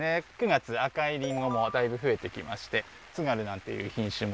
９月赤いりんごもだいぶ増えてきまして「つがる」なんていう品種も赤くなってきて。